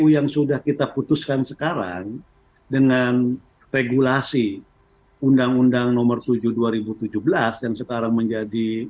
yang sekarang menjadi